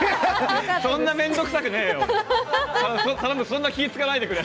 そんな面倒くさくねえよ！